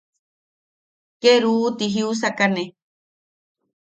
Ke ¡ruu! ti jiusakane.